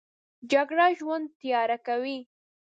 جګړه ژوند تیاره کوي